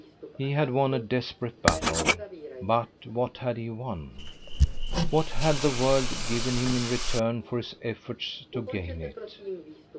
He had won a desperate battle, but what had he won? What had the world given him in return for his efforts to gain it?